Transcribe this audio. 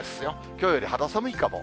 きょうより肌寒いかも。